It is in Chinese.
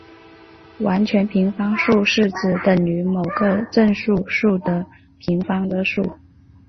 完全平方数是指等于某个正整数的平方的数。